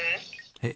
えっ？